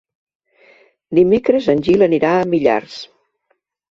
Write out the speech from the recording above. Dimecres en Gil anirà a Millars.